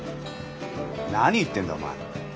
何言ってんだお前。